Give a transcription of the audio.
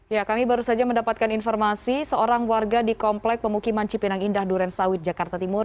ya kami baru saja mendapatkan informasi seorang warga di komplek pemukiman cipinang indah duren sawit jakarta timur